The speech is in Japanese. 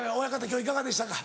今日いかがでしたか？